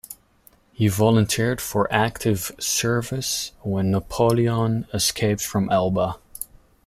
He volunteered for active service when Napoleon escaped from Elba.